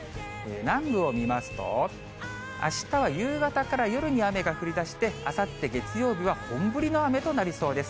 南部を見ますと、あしたは夕方から夜に雨が降りだして、あさって月曜日は本降りの雨となりそうです。